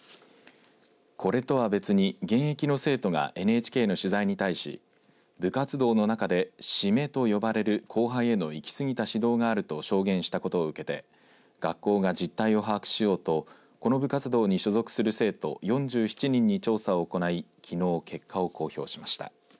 これとは別に現役の生徒がＮＨＫの取材に対し部活動の中で、シメと呼ばれる後輩への行き過ぎた指導があると証言したことを受けて学校が実態を把握しようとこの部活動に所属する生徒４７人に調査を行いきのう、結果を公表しました。